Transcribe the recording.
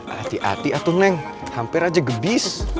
hati hati atau neng hampir aja gebis